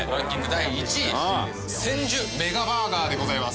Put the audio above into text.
第１位千住メガバーガーでございます